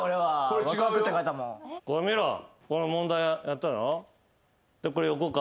この問題やっただろ。